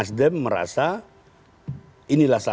jadi begini nana